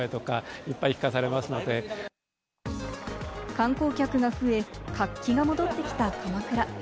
観光客が増え、活気が戻ってきた鎌倉。